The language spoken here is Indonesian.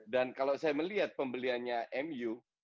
dan kalau saya melihat pembeliannya mu